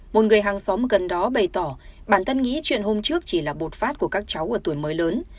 một người hàng xóm gần đó bày tỏ bản thân nghĩ chuyện hôm trước chỉ là bột phát của các cháu ở tuổi mới lớn